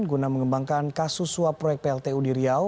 guna mengembangkan kasus suap proyek plt udiriau